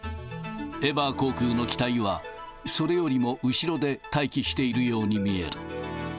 エバー航空の機体はそれよりも後ろで待機しているように見える。